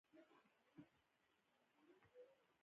منظوم متلونه د یوه بیت حکم لري او قافیه او سیلابونه لري